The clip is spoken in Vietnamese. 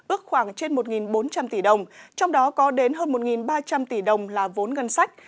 ước khoảng trên một bốn trăm linh tỷ đồng trong đó có đến hơn một ba trăm linh tỷ đồng là vốn ngân sách